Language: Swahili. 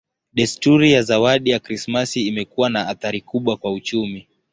Desturi ya zawadi za Krismasi imekuwa na athari kubwa kwa uchumi.